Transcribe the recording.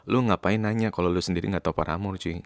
lu ngapain nanya kalo lu sendiri nggak tau paramore cuy